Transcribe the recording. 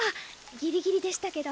ギリギリでしたけど。